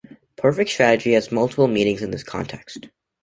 Perfect strategy has multiple meanings in this context.